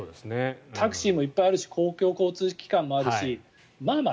タクシーもいっぱいあるし公共交通機関もあるしまあまあ